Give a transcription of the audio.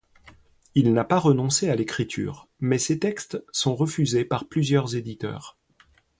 Il n'a pas renoncé à l'écriture, mais ses textes sont refusés par plusieurs éditeurs.